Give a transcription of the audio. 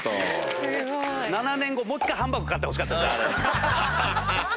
すごい！７年後もう１回ハンバーグ買ってほしかった。